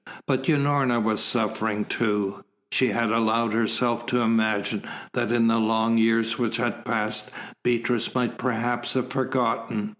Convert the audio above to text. But Unorna was suffering too. She had allowed herself to imagine that in the long years which had passed Beatrice might perhaps have forgotten.